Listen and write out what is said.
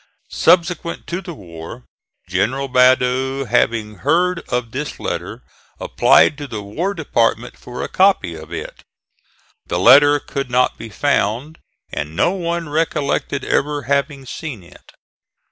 Subsequent to the war General Badeau having heard of this letter applied to the War Department for a copy of it. The letter could not be found and no one recollected ever having seen it.